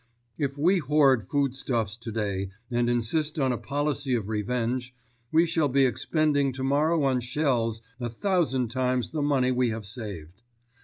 If we hoard foodstuffs today and insist on a policy of revenge, we shall be expending tomorrow on shells a thousand times the money we have saved.